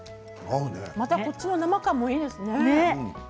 こっちの生感もいいですね